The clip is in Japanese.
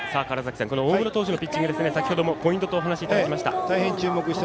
大室投手のピッチング先ほどもポイントとお話いただきました。